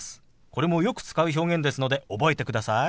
これもよく使う表現ですので覚えてください。